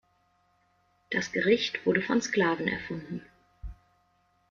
Das Gericht wurde von Sklaven erfunden.